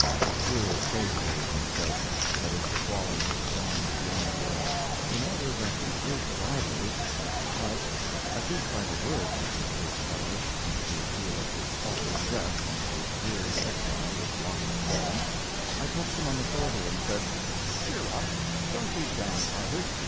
A cruel fate it is, I said, that is befallen this bronzed wanderer. In order that the group of idlers might be touched at least by the words of the poor fellow, since the appeal of his pauper dress and his dreary exile was lost upon them, I touched him on the shoulder and said: "Cheer up don't be downhearted.